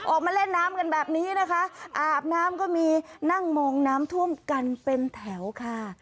ออกมาเล่นน้ำกันแบบนี้นะคะอาบน้ำก็มีนั่งมองน้ำท่วมกันเป็นแถวค่ะ